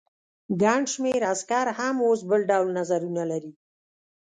ګڼ شمېر عسکر هم اوس بل ډول نظرونه لري.